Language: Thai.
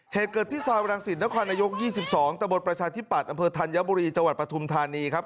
เหตุเกิดที่ซอยรังสิตนครนายก๒๒ตะบนประชาธิปัตย์อำเภอธัญบุรีจังหวัดปฐุมธานีครับ